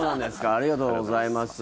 ありがとうございます。